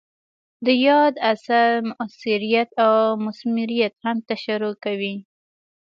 د یاد اثر مؤثریت او مثمریت هم تشریح کوي.